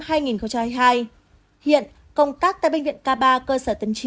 hiện công tác tại bệnh viện k ba cơ sở tân triều